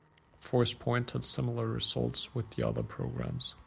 Forcepoint had similar results with the other programs.